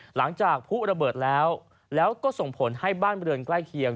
หลังจากผู้ระเบิดแล้วแล้วก็ส่งผลให้บ้านบริเวณใกล้เคียง